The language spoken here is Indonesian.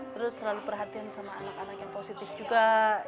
terus selalu perhatian sama anak anak yang positif juga